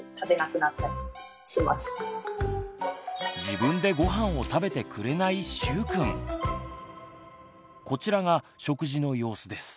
自分でごはんを食べてくれないこちらが食事の様子です。